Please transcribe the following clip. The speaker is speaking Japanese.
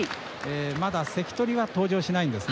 まだ関取は登場しないんですね。